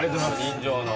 人情の。